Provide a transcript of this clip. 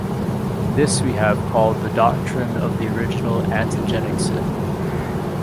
This we have called the Doctrine of the Original Antigenic Sin.